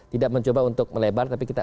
tidak mencoba untuk melebar tapi kita